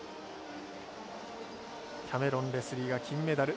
キャメロン・レスリーが金メダル。